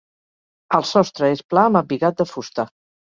El sostre és pla amb embigat de fusta.